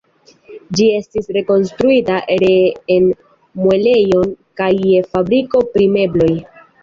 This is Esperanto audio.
Ĝi estis rekonstruita ree en muelejon kaj je fabriko pri mebloj.